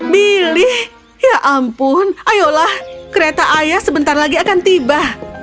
milih ya ampun ayolah kereta ayah sebentar lagi akan tiba